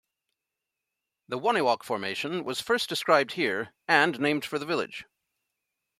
The Wonewoc Formation was first described here and named for the village.